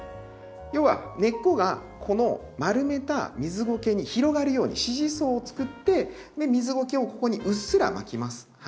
要は根っこがこの丸めた水ゴケに広がるように支持層をつくって水ゴケをここにうっすら巻きます。